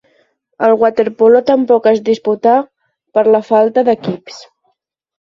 El waterpolo tampoc es disputà per la falta d'equips.